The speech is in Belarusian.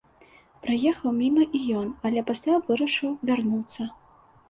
Праехаў міма і ён, але пасля вырашыў вярнуцца.